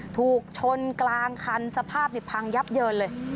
ถูกชนกลางคันสภาพพังยับเยินเลย